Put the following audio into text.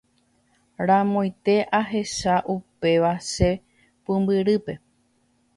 Ramoite ahecha upéva che pumbyrýpe.